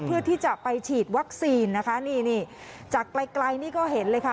เพื่อที่จะไปฉีดวัคซีนนะคะนี่นี่จากไกลไกลนี่ก็เห็นเลยค่ะ